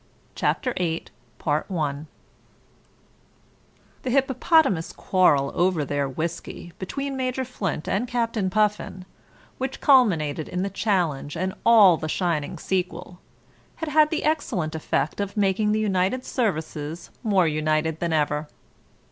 CHAPTER EIGHT The hippopotamus quarrel over their whisky between Major Flint and Captain Puffin, which culminated in the challenge and all the shining sequel, had had the excellent effect of making the united services more united than ever.